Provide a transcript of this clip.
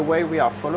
dan kamu bisa mulai